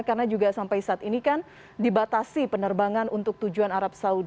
karena juga sampai saat ini kan dibatasi penerbangan untuk tujuan arab saudi